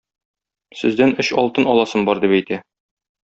Сездән өч алтын аласым бар дип әйтә.